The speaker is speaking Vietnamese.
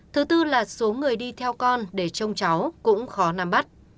thứ tư là số người đi theo con để trông cháu cũng khó nắm bắt